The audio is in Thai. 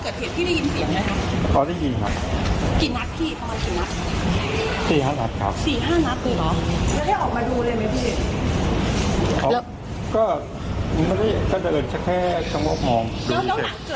แล้วหลังเกิดเหตุหลังเกิดพื้นสงบเหตุการณ์หลังจากนั้นเป็นอย่างไรครับมีคนจำนำอยู่ไหนอะไรยังไง